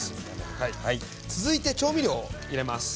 続いて調味料を入れます。